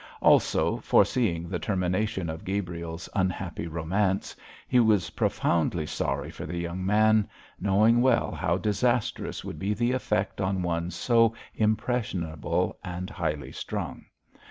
Also, foreseeing the termination of Gabriel's unhappy romance, he was profoundly sorry for the young man, knowing well how disastrous would be the effect on one so impressionable and highly strung.